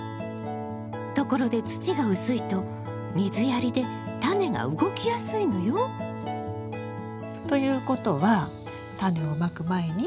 ところで土が薄いと水やりでタネが動きやすいのよ。ということはタネをまく前に？